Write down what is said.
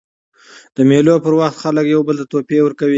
د مېلو پر وخت خلک یو بل ته تحفې ورکوي.